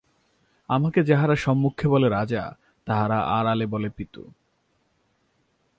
আমাকে যাহারা সম্মুখে বলে রাজা, তাহারা আড়ালে বলে পিতু।